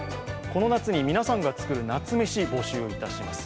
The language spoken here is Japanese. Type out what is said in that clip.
この夏に皆さんが作る夏メシ、募集いたします。